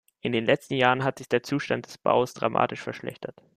In den letzten Jahren hat sich der Zustand des Baus dramatisch verschlechtert.